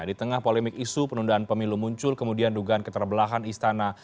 di tengah polemik isu penundaan pemilu muncul kemudian dugaan keterbelahan istana